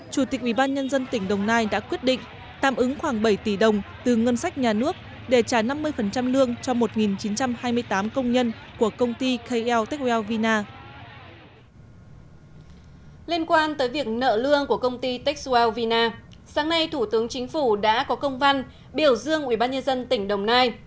sáng nay thủ tướng chính phủ đã có công văn biểu dương ubnd tỉnh đồng nai